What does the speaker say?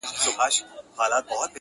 له خوښیو ټول کشمیر را سره خاندي,